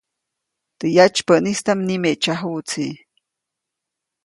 Teʼ yatsypäʼnistaʼm nimeʼtsyajuʼtsi.